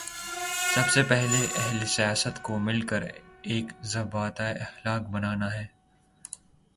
سب سے پہلے اہل سیاست کو مل کر ایک ضابطۂ اخلاق بنانا ہے۔